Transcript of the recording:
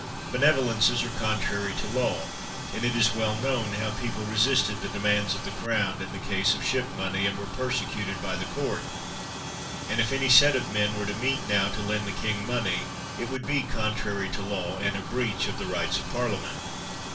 Benevolences are contrary to law ; and it is well known how people resisted the demands of the Crown in the case of ship money and were persecuted by the court; and if any set of men were to meet now to lend the king money, it would be contrary to law, and a breach of the rights of Parliament.